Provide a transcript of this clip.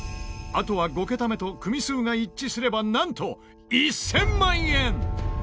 あとは５桁目と組数が一致すればなんと、１０００万円！